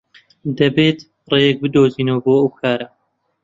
دەبێت ڕێیەک بدۆزینەوە بۆ ئەو کارە.